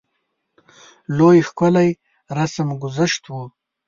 لوی ښکلی رسم ګذشت وو.